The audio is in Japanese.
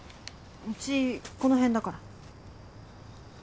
うちこの辺だから。